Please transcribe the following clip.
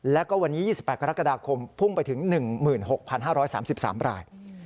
แล้วก็วันนี้๒๘กรกฎาคมพุ่งไปถึง๑๖๕๓๓ราย